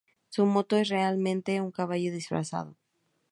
Su moto es realmente un caballo disfrazado.